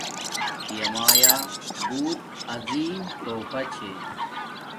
پیامایا بوت عظیم تُوفہ چھے